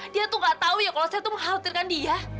dia tuh gak tahu ya kalau saya tuh mengkhawatirkan dia